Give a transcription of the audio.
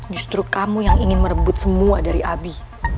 justru kamu yang ingin merebut semua dari abi